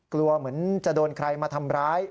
เหมือนจะโดนใครมาทำร้าย